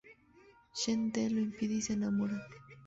Shen Te lo impide y se enamoran.